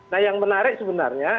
nah yang menarik sebenarnya